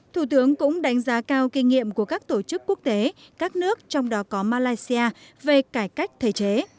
thủ tướng cũng đánh giá cao kinh nghiệm của các tổ chức quốc tế các nước trong đó có malaysia về cải cách thể chế